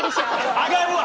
上がるわ！